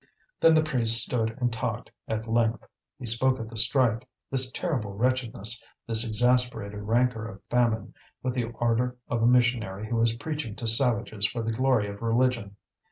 Then the priest stood and talked at length. He spoke of the strike, this terrible wretchedness, this exasperated rancour of famine, with the ardour of a missionary who is preaching to savages for the glory of religion.